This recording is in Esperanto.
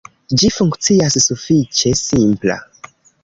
Ĝi funkcias sufiĉe simpla.